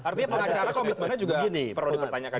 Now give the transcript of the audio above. artinya pengacara komitmennya juga perlu dipertanyakan juga